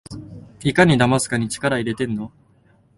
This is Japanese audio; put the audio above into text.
いかにだますかに力いれてんの？